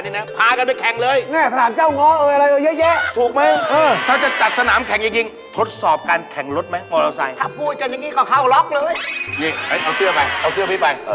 นี่นะเอาเสื้อไปเอาเสื้อพี่ไป